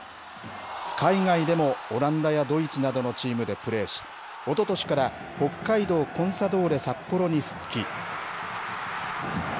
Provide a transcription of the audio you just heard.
海外でもオランダやドイツなどのチームでプレーし、おととしから、北海道コンサドーレ札幌に復帰。